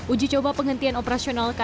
uji coba penghentian operasional